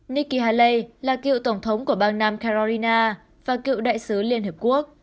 nikki haley là cựu tổng thống của bang nam carolina và cựu đại sứ liên hợp quốc